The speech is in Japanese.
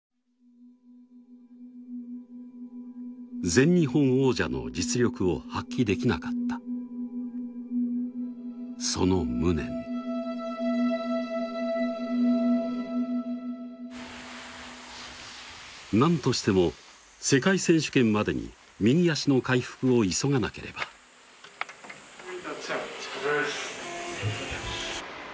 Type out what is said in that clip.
全日本王者の実力を発揮できなかったその無念何としても世界選手権までに右足の回復を急がなければたっちゃん！